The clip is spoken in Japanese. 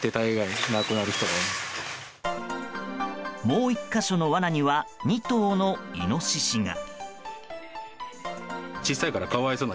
もう１か所のわなには２頭のイノシシが。